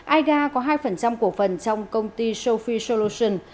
aiga có hai cổ phần trong công ty sophie solutions